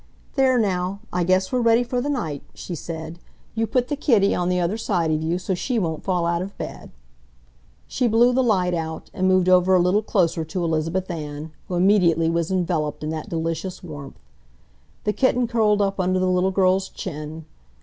"There, now, I guess we're ready for the night," she said. "You put the kitty on the other side of you so she won't fall out of bed." She blew the light out and moved over a little closer to Elizabeth Ann, who immediately was enveloped in that delicious warmth. The kitten curled up under the little girl's chin.